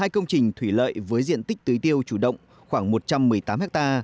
hai công trình thủy lợi với diện tích tưới tiêu chủ động khoảng một trăm một mươi tám ha